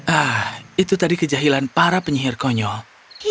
ah itu tadi kejahilan para penyihir konyol